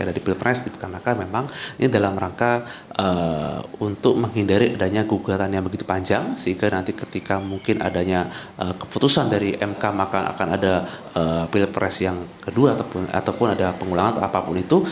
karena memang ini dalam rangka untuk menghindari adanya gugatan yang begitu panjang sehingga nanti ketika mungkin adanya keputusan dari mk maka akan ada pilek press yang kedua ataupun ada pengulangan atau apapun itu